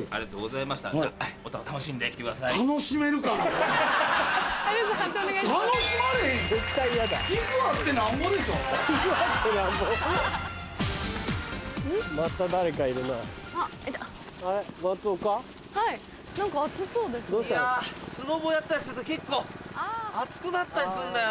いやスノボーやったりすると結構暑くなったりするんだよな